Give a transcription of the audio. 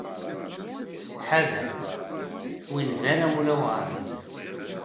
Ḥader. Win d aramul aweɛṛan.